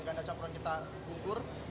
gede campuran kita kultur